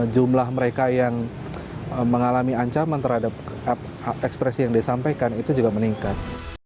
jumlah mereka yang mengalami ancaman terhadap ekspresi yang disampaikan itu juga meningkat